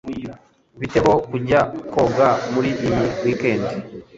Bite ho kujya koga muri iyi weekend?